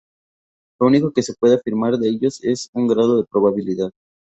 Lo único que se puede afirmar de ellos es un grado de probabilidad.